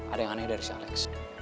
ada yang aneh dari si alex